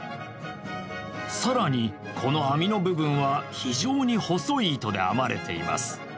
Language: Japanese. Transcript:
更にこの網の部分は非常に細い糸で編まれています。